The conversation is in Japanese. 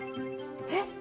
えっ？